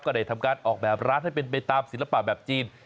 ได้ทำการออกแบบร้านให้เป็นไปตามศิลปะแบบจีน